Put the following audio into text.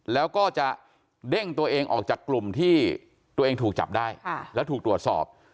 แล้วก็จะเด้งตัวเองออกจากกลุ่มที่ตัวเองถูกจับได้แล้วถูกตรวจสอบ